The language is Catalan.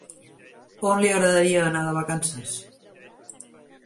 On li agradaria anar de vacances?